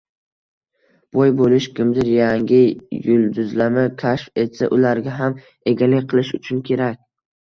—Boy bo'lish, kimdir yangi yulduzlami kashf etsa ularga ham egalik qilish uchun kerak.